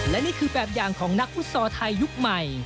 และนี่คือแบบอย่างของนักฟุตซอลไทยยุคใหม่